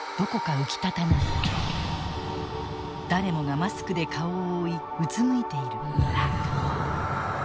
誰もがマスクで顔を覆いうつむいている。